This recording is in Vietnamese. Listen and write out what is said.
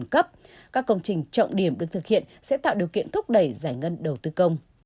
các công trình trọng điểm được thực hiện sẽ tạo điều kiện thúc đẩy giải ngân đầu tư công